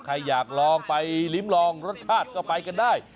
ใครอยากลองไปลิ้มลองรสชาติก็ไปกันได้